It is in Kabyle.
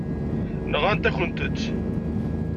Nɣant-akent-tt.